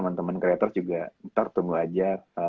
temen temen creator juga ntar tunggu aja